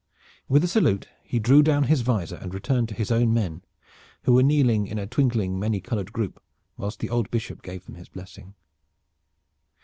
With a salute he drew down his visor and returned to his own men, who were kneeling in a twinkling, many colored group whilst the old bishop gave them his blessing.